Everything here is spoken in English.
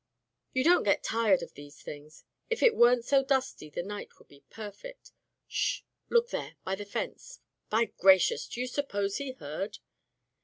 "You don't get tired of these things. If it weren't so dusty, the night would be perfect. 'Sh! — look there — ^by the fence — ^by gra cious! Do you suppose he heard